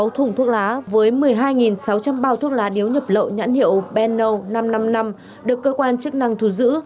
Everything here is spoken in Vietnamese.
sáu thùng thuốc lá với một mươi hai sáu trăm linh bao thuốc lá điếu nhập lậu nhãn hiệu benno năm trăm năm mươi năm được cơ quan chức năng thu giữ